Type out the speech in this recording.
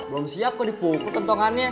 belum siap kok dipukul kentongannya